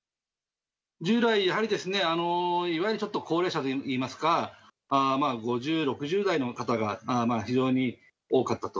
従来、やはりいわゆるちょっと高齢者といいますか、５０、６０代の方が非常に多かったと。